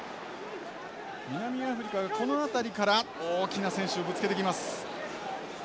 南アフリカがこの辺りから大きな選手をぶつけてきます。